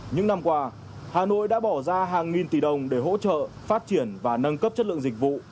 những năm qua hà nội đã bỏ ra hàng nghìn tỷ đồng để hỗ trợ phát triển và nâng cấp chất lượng dịch vụ